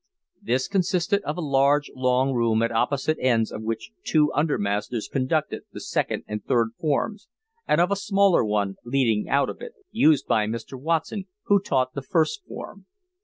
This consisted of a large, long room at opposite ends of which two under masters conducted the second and third forms, and of a smaller one, leading out of it, used by Mr. Watson, who taught the first form.